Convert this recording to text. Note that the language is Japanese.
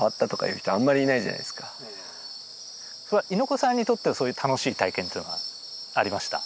猪子さんにとってはそういう楽しい体験っていうのはありました？